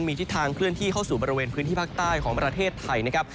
มีทิศทางเคลื่อนที่เข้าสู่บริเวณพื้นที่ภาคใต้ของประเทศไทยนะครับ